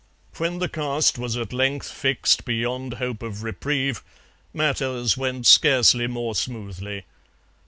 When the cast was at length fixed beyond hope of reprieve matters went scarcely more smoothly.